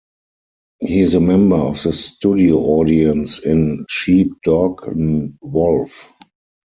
He is a member of the studio audience in "Sheep, Dog, 'n' Wolf".